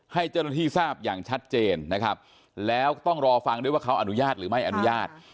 ให้เจ้าหน้าที่ทราบอย่างชัดเจนนะครับแล้วต้องรอฟังด้วยว่าเขาอนุญาตหรือไม่อนุญาต